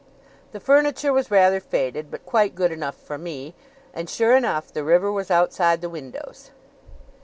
The furniture was rather faded, but quite good enough for me; and, sure enough, the river was outside the windows.